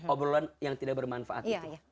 obrolan yang tidak bermanfaat